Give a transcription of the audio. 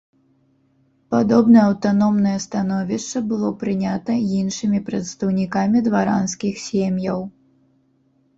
Падобнае аўтаномнае становішча было прынята іншымі прадстаўнікамі дваранскіх сем'яў.